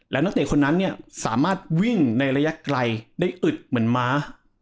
แล้วนักเตะคนนั้นเนี่ยสามารถวิ่งในระยะไกลได้อึดเหมือนม้า